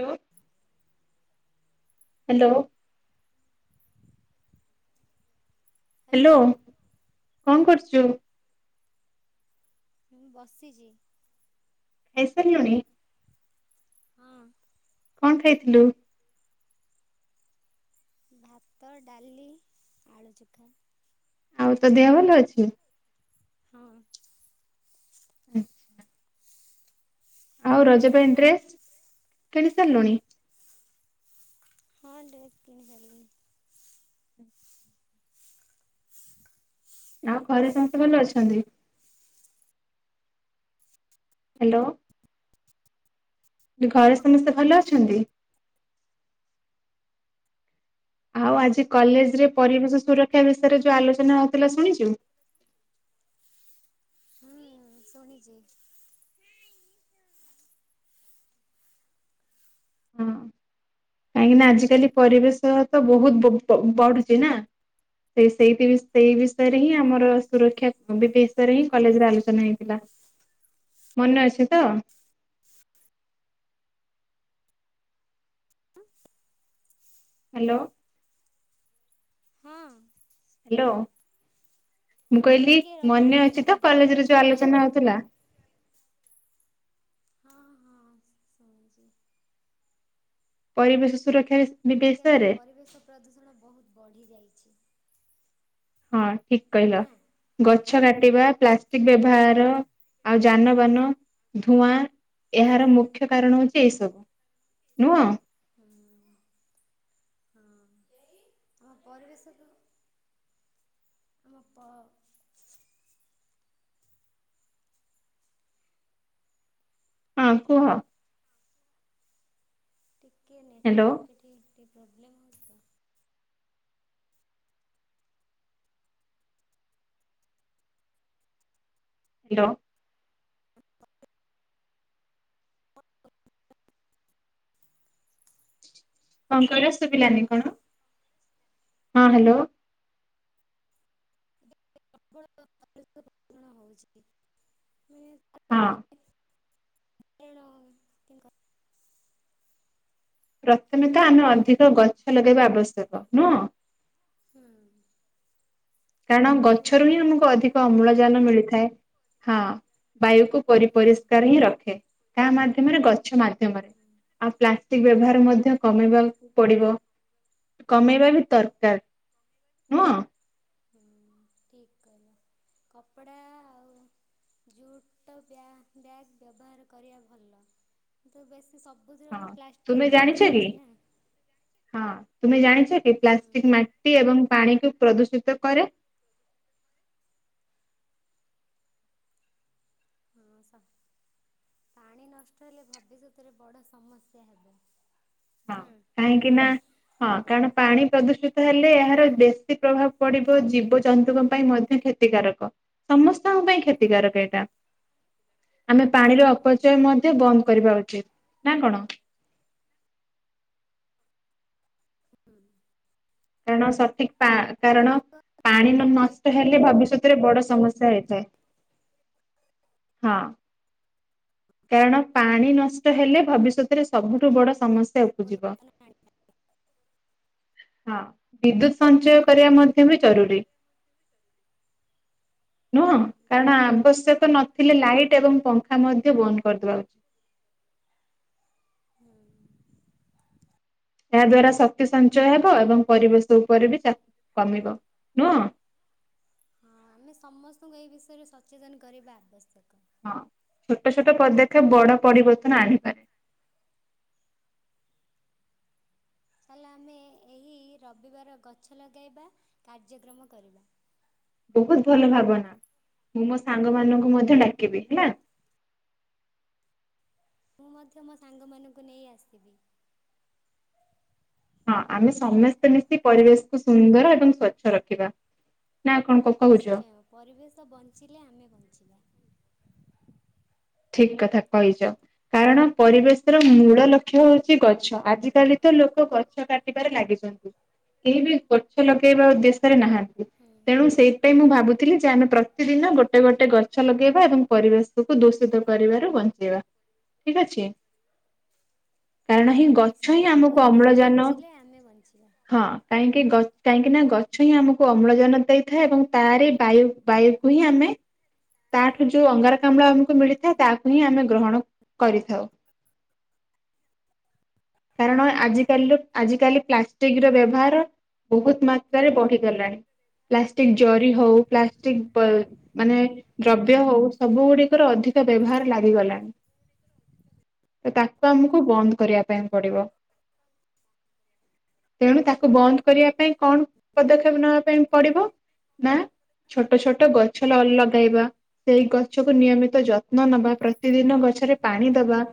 Hello hello. Hello hello. କଣ କରୁଚୁ? ମୁଁ ବସିଚି। ଖାଇ ସାରିଲୁଣି? ହଁ। କଣ ଖାଇଥିଲୁ? ଭାତ ଡ଼ାଲି ଆଳୁ ଚୁଖା। ଆଉ ତୋ ଦେହ ଭଲ ଅଛି? ହଁ। ଆଚ୍ଛା। ଆଉ ରଜ ପାଇଁ ଡ୍ରେସ୍ କିଣି ସାରିଲୁଣି? ହଁ ଡ୍ରେସ୍ କିଣି ସାରିଲୀଣି। ଆଉ ଘରେ ସମସ୍ତେ ଭଲ ଅଛନ୍ତି? ହ୍ୟାଲୋ। ଏ ଘରେ ସମସ୍ତେ ଭଲ ଅଛନ୍ତି? ଆଉ ଆଜି କଲେଜ୍ ରେ ପରିବେଶ ସୁରକ୍ଷା ବିଷୟରେ ଯୋଉ ଆଲୋଚନା ହଉଥିଲା ଶୁଣିଚୁ? ମୁଁ ଶୁଣିଚି। ହଁ କାହିଁକିନା ଆଜିକାଲି ପରିବେଶ ତ ବହୁତ ବହୁ ବ-ବଢୁଛି ନା। ସେ ସେଇତି ବିଷ୍ ସେଇ ବିଷୟରେ ହିଁ ଆମର ସୁରକ୍ଷା ବି- ବିଷୟରେ ହିଁ କଲେଜ୍ ରେ ଆଲୋଚନା ହେଇଥିଲା। ମନେ ଅଛି ତ? ହ୍ୟାଲୋ। ହଁ। ହ୍ୟାଲୋ, ମୁଁ କହିଲି ଟିକେ ରହ ମନେ ଟିକେ ଅଛି ରହ ତ ମୁଁ ଟିକେ କଲେଜ୍ ରେ ଯୋଉ ଆଲୋଚନା ହଉଥିଲା? ହଁ, ହଁ ଶୁଣିଛି। ପରିବେଶ ସୁରକ୍ଷା ବିଷ ଆଜିକାଲି ପରିବେଶ ପ୍ରଦୂଷଣ ବହୁତ ବଢ଼ିଯାଇଛି। ହଁ ଠିକ କହିଲ, ନା। ଗଛ କାଟିବା, ପ୍ଲାଷ୍ଟିକ୍ ବ୍ୟବହାର। ଆଉ ଯାନବାହାନ ଧୂଆଁ ଏହାର ମୁଖ୍ୟ କାରଣ ହଉଛି ଏଇସବୁ। ନୁହଁ? ହଁ। ହଁ। ଆମ ପରିବେଶକୁ, ଆମ ପ ହଁ କୁହ। ଟିକେ ହ୍ୟାଲୋ ନେଟୱାର୍କ ଏଠି ଟିକେ ପ୍ରୋବ୍ଲେମ୍ ହଉଛି ତ। ଲୋ କଣ କହିଲ ଶୁଭିଲାନି ହ୍ୟାଲୋ କଣ? ହଁ ହେଲୋ। କଣ ହଉଛି? [inaudible] ହଁ। ଏଣୋ ପ୍ରଥମେ ତ ଆମେ ଅଧିକ ଗଛ ଲଗେଇବା ଆବଶ୍ୟକ ନୁହଁ? ହୁଁ। କାରଣ ଗଛରୁ ହିଁ ଅମ୍ଳଜାନ ଆମକୁ ମିଳେ ଅଧିକ ଅମ୍ଳଜାନ ମିଳିଥାଏ। ହଁ ବାୟୁକୁ ପରି ହୁଁ ପରିଷ୍କାର ହିଁ ରଖେ କାହା ମାଧ୍ୟମରେ ଗଛ ମାଧ୍ୟମରେ ହୁଁ। ଆଉ ପ୍ଲାଷ୍ ଟିକ୍ ବ୍ୟବହାର ମଧ୍ୟ କମେଇବାକୁ ପଡ଼ିବ। କମେଇବା ବି ଦରକାର ନୁହଁ? ହୁଁ। ଠିକ୍ କହିଲ, କପଡ଼ା ଆଉ ଝୁଟ ବ୍ୟା ବ୍ୟାଗ୍ ବ୍ୟବହାର କରିବା ଭଲ, କିନ୍ତୁ ବେଶୀ ସବ ତୁମେ ଜାଣିଛ କି? ତୁମେ ଜାଣିଛ କି ହୁଁ ପ୍ଲାଷ୍ଟିକ୍ ମା ଟି ଏବଂ ପାଣିକୁ ପ୍ରଦୂଷିତ କରେ? ହଁ ସା-ପାଣି ନଷ୍ଟ ହେଲେ ଭବିଷ୍ୟତରେ ବଡ଼ ସମସ୍ୟା ହେବ। ହଁ ହୁଁ। କାହିଁକି ନା ହଁ କାରଣ ପାଣି ପ୍ରଦୂଷିତ ହେଲେ ଏହାର ବେଶୀ ପ୍ରଭାବ ପଡିବ ଜୀବଜନ୍ତୁଙ୍କ ପାଇଁ ମଧ୍ୟ କ୍ଷ ତିକାରକ ସମସ୍ତଙ୍କ ପାଇଁ କ୍ଷତିକାରକ ଏଇଟା। ଆମେ ପାଣିର ଅପଚୟ ହୁଁ ମଧ୍ୟ ବନ୍ଦ କରିବା ଉଚିତ୍ ନା କଣ? ହଁ। କାରଣ ସଠିକ୍ ପା କାରଣ ପାଣି ନଷ୍ଟ ଲାଇଟ୍ ହେଲେ ଏବଂ ଭବିଷ୍ୟତ୍ ଏଥିରେ ବଡ ପଙ୍ଖା ସମସ୍ୟା ହେଇଥାଏ ହଁ। କାରଣ ପାଣି ନଷ୍ଟ ହେଲେ ଭବିଷ୍ୟତରେ ସବୁଠୁ ବଡ ସମସ୍ୟ [unintelligible] ଯିବ। ପରିବର୍ତ୍ତନ ଆଣିବା ହଁ ବିଦ୍ୟୁତ୍ ସଞ୍ଚୟ କରିବା ମଧ୍ୟ ବି ଜରୁରୀ। ନୁହଁ କାରଣ ଆବଶ୍ୟକ ନଥିଲେ ଲାଇଟ୍ ଏବଂ ପଙ୍ଖା ମଧ୍ୟ ବନ୍ଦ କରିଦବା ଉଚିତ୍। ହୁଁ। ଏହା ଦ୍ଵାରା ଶକ୍ତି ସଞ୍ଚୟ ହେବ ଏବଂ ପରିବେଶ ଉପରେ ବି ଚାପ କମିବ ନୁହଁ? ହଁ ଆମେ ସମସ୍ତଙ୍କୁ ଏ ବିଷୟରେ ସଚେତନ କରିବା ଆବଶ୍ୟକ। ହଁ ଛୋଟ ଛୋଟ ପଦକ୍ଷେପ୍ ବଡ ପରିବର୍ତ୍ତନ ଆଣିପାରେ। ଚାଲ ଆମେ ଏହି ରବିବାର ଗଛ ଲଗାଇବା କାର୍ଯ୍ୟକ୍ରମ କରିବା। ବୋହୁତ ଭଲ ଭାବନା ମୁଁ ମୋ ସାଙ୍ଗ ମାନଙ୍କୁ ମଧ୍ୟ ଡାକିବି ହେଲା। ମୁଁ ମଧ୍ୟ ମୋ ସାଙ୍ଗମାନଙ୍କୁ ନେଇ ଆସିବି। ହଁ ଆମେ ସମସ୍ତେ ମିଶି ପରିବେଶକୁୁ ସୁନ୍ଦର ଏବଂ ସ୍ଵଚ୍ଛ ରଖିବା। ନା କଣ କ କହୁଛ? ନିଶ୍ଚୟ ପରିବେଶ ବଞ୍ଚିଲେ ଆମେ ବଞ୍ଚିବା। ଠିକ୍ କଥା କହିଚ। କାରଣ ପରିବେଶ ର ମୂଳ ଲକ୍ଷ୍ୟ ହୋଉଚି ଗଛ ଆଜିକାଲି ତ ଲୋକ ଗଛ କାଟି କାଟିବାରେ ଲାଗିକନ୍ତି କେହି ବି ଗଛ ଲଗେଇବା ଉଦ୍ଦେଶ୍ୟରେ ନାହାନ୍ତି ହୁଁ। ତେଣୁ ସେଇ ପାଇଁ ମୁଁ ଭାବୁଥିଲି ଯେ ଆମେ ପ୍ରତିଦିନ ଗୋଟେ ଗୋଟେ ଗଛ ଲଗେଇବା ଏବଂ ପରିବେଶକୁ ଦୁଷ୍ ସୁଧ କରିବାରୁ ବଞ୍ଚେଇବା ଠିକ୍ ଅଛି। କାରଣ ହିଁ ଗଛ ହିଁ ନିଶ୍ଚୟ ଆମକୁ ପରିବେଶ ଅମ୍ଳଜାନ ବଞ୍ଚିଲେ ଆମେ ବଞ୍ଚିବା ହଁ। କାହିଁକି ଗ କାହିଁକିନା ଗଛ ହିଁ ଆମକୁ ଅମ୍ଳଜାନ ଦେଇଥାଏ ଏବଂ ତାରି ବାୟୁ ବାୟୁକୁ ହିଁ ଆମେ ତାଠୁ ଯୋଉ ଅଙ୍ଗାରକାମ୍ଳ ଆମକୁ ମିଳିଥାଏ ହୁଁ ତାହାକୁ ହିଁ ଆମେ ଗ୍ରହଣ କରିଥାଉ। କାରଣ ଆଜି କାଲିର ଆଜି କାଲି ପ୍ଲାଷ୍ଟିକ୍ ର ବ୍ୟବହାର ବୋହୁତ ମାତ୍ରାରେ ବଢିଗଲାଣି। ପ୍ଲାଷ୍ଟିକ୍ ଜରି ହୋଉ ପ୍ଲାଷ୍ଟିକ୍ ପଲ ମାନେ ଦ୍ରବ୍ୟ ହୋଉ ସବୁ ଗୁଡିକରେ ଅଧିକ ବ୍ୟବହାର ଲାଗିଗଲାଣି। ତାକୁ ଆମକୁ ବନ୍ଦ କରିବା ପାଇଁ ପଡିବ। ତେଣୁ ତାକୁ ବନ୍ଦ କରିବା ପାଇଁ କଣ ପଦକ୍ଷେପ ନବା ପାଇଁ ପଡିବ? ନା ଛୋଟ ଛୋଟ ଗଛ ଲ ଲଗେଇବା। ସେଇ ଗଛକୁ ନିୟମିତ ଯତ୍ନ ନବା ପ୍ରତିଦିନ ଗଛରେ ପାଣି ଦବା।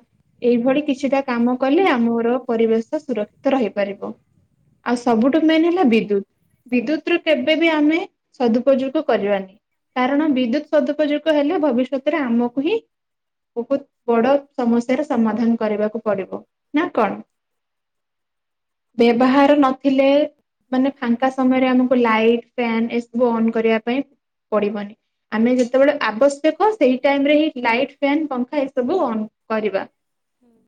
ଏଇଭଳି କିଛିଟା କାମ କଲେ ଆମର ପରିବେଶ ସୁରକ୍ଷିତ ରହିପାରିବ। ଆଉ ସବୁଠୁ ମେନ୍ ହେଲା ବିଦ୍ୟୁତ୍। ବିଦ୍ୟୁତ୍ ରୁ କେବେ ବି ଆମେ ସଦୁପଯୋଗ କରିବାନି କାରଣ ବିଦ୍ୟୁତ୍ ସଦୁପଯୋଗ ହେଲେ ଭବିଷ୍ୟତରେ ଆମକୁ ହିଁ ବୋହୁତ ବଡ ସମସ୍ୟାର ସମାଧାନ କରିବାକୁ ପଡିବ ନା କଣ? ବ୍ୟବହାର ନଥିଲେ ମାନେ ଫାଙ୍କା ସମୟରେ ଆମକୁ ଲାଇଟ ଫ୍ୟାନ୍ ଏସବୁ ଅନ୍ କରିବା ପାଇଁ ପଡିବନି। ଆମେ ଯେତେବେଳେ ଆବଶ୍ୟକ ସେଇ ଟାଇମରେ ହିଁ ଲାଇଟ୍ ଫ୍ୟାନ୍ ପଂଖା ଏସବୁ ଅନ୍ କରିବା। ହୁଁ।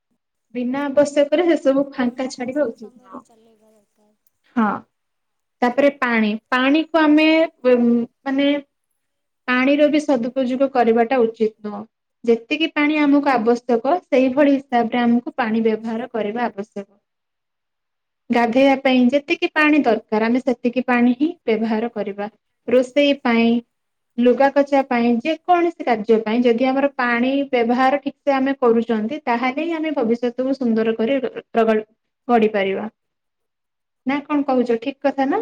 ବିନା ଆବଶ୍ୟକରେ ହଁ ସେସବୁ ପାଣି ଫାଙ୍କା ଛାଡିବା ଆବଶ୍ୟକ ଉଚିତ ସମୟରେ ନୁହଁ। ଚଲେଇବା ଦରକାର। ହଁ ତାପରେ ପାଣି ପାଣିକୁ ଆମେ ବେ ଉ ମାନେ ପାଣିର ବି ସଦୁପଯୁଗ କରିବାଟା ଉଚିତ୍ ନୁହଁ। ଯେତିକି ପାଣି ଆମକୁ ଆବଶ୍ୟକ ସେଇଭଳି ହିସାବରେ ଆମକୁ ପାଣି ବ୍ୟବହାର କରିବା ଆବଶ୍ୟକ। ଗାଧେଆ ପାଇଁ ଯେତିକି ପାଣି ଦରକାର ଆମେ ସେତିକି ପାଣି ହିଁ ବ୍ୟବହାର କରିବା। ରୋଷେଇ ପାଇଁ। ଲୁଗା କାଚିଆ ପାଇଁ ଯେକୌଣସି କାର୍ଯ୍ୟ ପାଇଁ ଯଦି ଆମର ପାଣି ବ୍ୟବହାର ଠିକ୍ ସେ ଆମେ କରୁଚନ୍ତି ତାହେଲେ ଆମେ ଭବିଷ୍ୟତକୁୁ ସୁନ୍ଦର କରି [unintelligible] ଗଢିପାରିବା ନା କଣ କହୁଚ ଠିକ୍ କଥା ନା।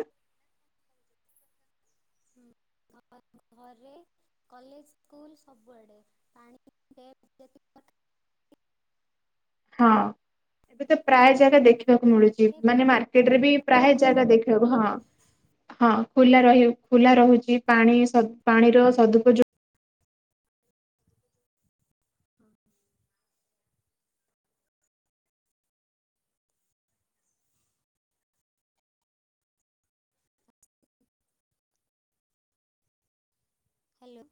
ଘରେ, କଲେଜ୍, ସ୍କୁଲ ସବୁଆଡେ ପାଣି [unintelligible] ହଁ ଏବେ ତ ପ୍ରାୟ ଜାଗା ଦେଖିବାକୁ ମିଳୁଚି ଟ୍ୟାପ୍ ମାନେ ଖୋଲା ମାର୍ [unintelligible] ରଖିକି ବି ପାଣି ପ୍ରାୟେ ଜାଗା ଦେଖିବାକୁ ହଁ। ହଁ ଖୁଲା ରହି ଖୁଲା ରହୁଚି ପାଣି ସଦ୍ ପାଣିର ସଦୁପଯୋ ନ ହ୍ୟାଲୋ।